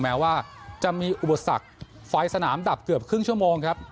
แม้ว่าจะมีอุปสรรคไฟสนามดับเกือบครึ่งชั่วโมงครับ